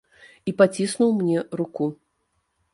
І паціснуў мне руку.